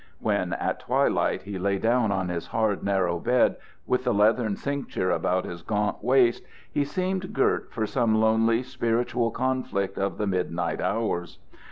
When, at twilight, he lay down on his hard, narrow bed, with the leathern cincture about his gaunt waist, he seemed girt for some lonely spiritual conflict of the midnight hours.